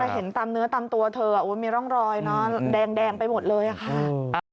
แต่เห็นตามเนื้อตามตัวเธออ่ะโอ้วมีร่องรอยเนอะแดงแดงไปหมดเลยอ่ะค่ะ